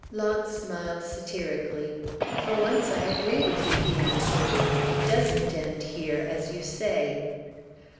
Launce smiled satirically. "For once I agree with you," he answered. "It doesn't end here, as you say."